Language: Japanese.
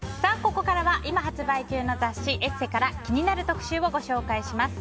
ここからは今発売中の雑誌「ＥＳＳＥ」から気になる特集をご紹介します。